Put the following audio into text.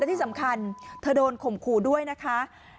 ที่สำคัญเธอโดนข่มขู่ด้วยนะคะ